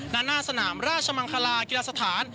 นานสนามราชมังคลากีฬาสถาน